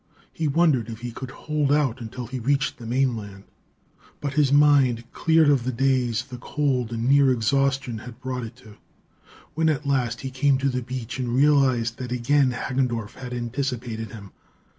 He wondered if he could hold out until he reached the mainland. But his mind cleared of the daze the cold and near exhaustion had brought it to when at last he came to the beach and realized that again Hagendorff had anticipated him.